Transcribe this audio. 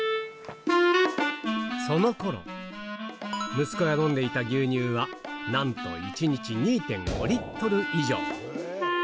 そのころ、息子が飲んでいた牛乳はなんと１日２．５リットル以上。